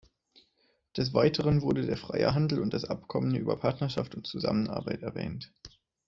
Des Weiteren wurden der freie Handel und das Abkommen über Partnerschaft und Zusammenarbeit erwähnt.